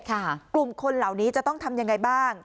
กลุ่มคนเหล่านี้จะต้องทำยังไงบ้าง